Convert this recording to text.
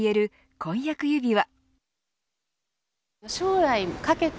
婚約指輪。